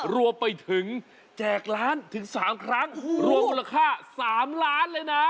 รวมไปถึงแจกล้านถึง๓ครั้งรวมมูลค่า๓ล้านเลยนะ